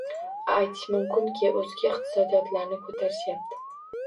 Aytish mumkinki, o‘zga iqtisodiyotlarni ko‘tarishyapti.